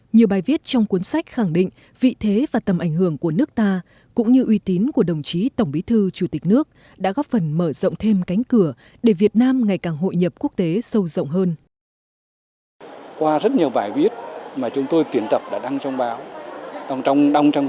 nhiều bài viết trong cuốn sách khẳng định vị thế và tầm ảnh hưởng của nước ta cũng như uy tín của đồng chí tổng bí thư chủ tịch nước đã góp phần mở rộng thêm cánh cửa để việt nam ngày càng hội nhập quốc tế sâu rộng hơn